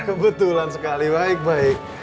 kebetulan sekali baik baik